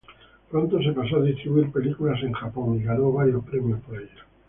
Pronto se pasó a distribuir películas en Japón, y ganó varios premios por ello.